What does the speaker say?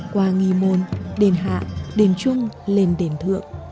qua nghi môn đền hạ đền trung lên đền thượng